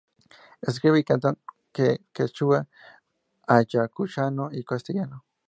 Escribe y canta en quechua ayacuchano y castellano.